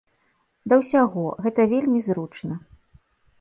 Да ўсяго, гэта вельмі зручна.